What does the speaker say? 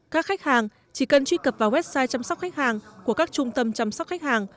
các khách hàng chỉ cần truy cập vào website chăm sóc khách hàng của các trung tâm chăm sóc khách hàng